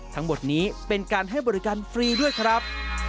ทั้งหมดนี้เป็นการให้บริการฟรีด้วยครับ